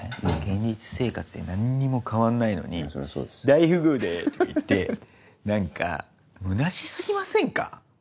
現実生活で何も変わんないのに「大富豪だ！」って言って何かむなし過ぎませんか？